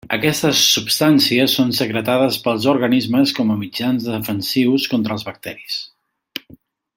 Aquestes substàncies són secretades pels organismes com a mitjans defensius contra els bacteris.